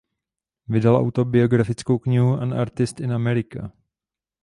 Vydal autobiografickou knihu "An Artist in America".